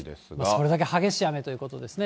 それだけ激しい雨ということですね。